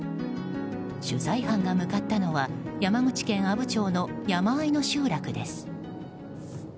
取材班が向かったのは山口県阿武町の山あいの集落です。